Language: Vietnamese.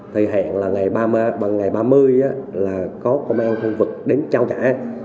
thì hẹn là ngày ba mươi là có công an khu vực đến trao trả